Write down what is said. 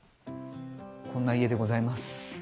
こんな家でございます。